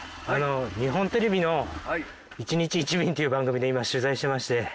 あの日本テレビの『１日１便』っていう番組で今取材してまして。